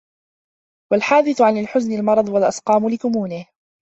وَالْحَادِثُ عَنْ الْحُزْنِ الْمَرَضَ وَالْأَسْقَامَ لِكُمُونِهِ